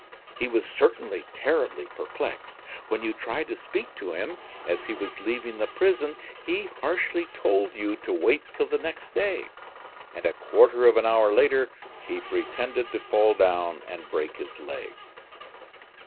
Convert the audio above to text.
He was certainly terribly perplexed. When you tried to speak to him, as he was leaving the prison, he harshly told you to wait till the next day; and a quarter of an hour later he pretended to fall down and break his leg."